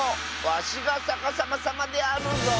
わしがさかさまさまであるぞ。